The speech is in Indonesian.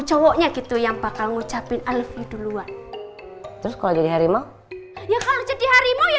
cowoknya gitu yang bakal ngucapin alfie duluan terus kalau jadi harimau ya kalau jadi harimau ya